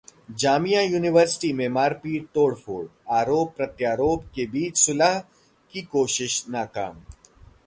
Jamia university में मारपीट-तोड़फोड़, आरोप-प्रत्यारोप के बीच सुलह की कोशिश नाकाम